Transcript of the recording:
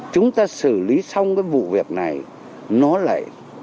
chúng ta xử lý xong cái vụ việc này nó lại